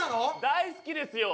大好きですよ。